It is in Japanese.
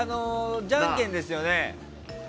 じゃんけんですよね。